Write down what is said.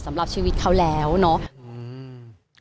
สำหรับชีวิตเขาแล้วเนาะ